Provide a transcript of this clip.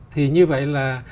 thì như vậy là